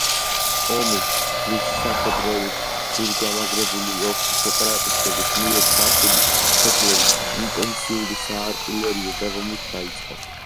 ომი რუსი სამხედროებით ზურგგამაგრებული ოსი სეპარატისტების მიერ ქართული სოფლების ინტენსიური საარტილერიო დაბომბვით დაიწყო